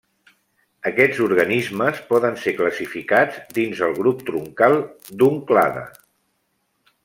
Aquests organismes poden ser classificats dins el grup troncal d'un clade.